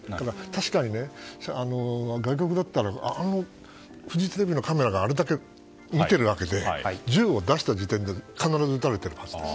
確かに外国だったらフジテレビのカメラがあれだけ見ているわけで銃を出した時点で必ず撃たれているはずです。